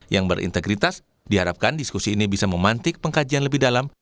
yang berintegritas diharapkan diskusi ini bisa memantik pengkajian lebih dalam